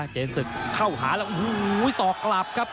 เจนศึกเข้าหาแล้วสอกกลับครับ